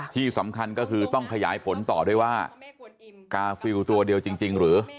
ที่สำคัญก็คือต้องขยายผลต่อด้วยว่ากาฟิลตัวเดียวจริงหรือ